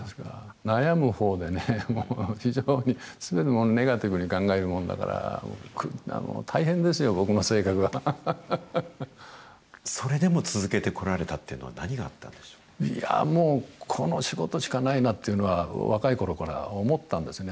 悩む方でね、もう非常にすべてネガティブに考えるもんだから、大変ですよ、僕それでも続けてこられたといいやー、もう、この仕事しかないなっていうのは、若いころから思ったんですよね。